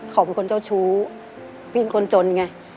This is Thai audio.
เขาเป็นคนเจ้าชู้พี่เป็นคนจนไง